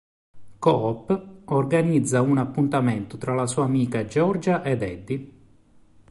Coop organizza un appuntamento tra la sua amica Georgia ed Eddie.